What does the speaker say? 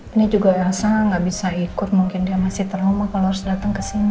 ini juga rasa nggak bisa ikut mungkin dia masih trauma kalau harus datang ke sini